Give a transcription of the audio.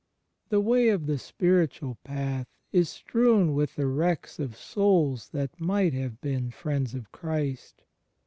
... The way of the spiritual path is strewn with the wrecks of souls that might have been friends of Christ.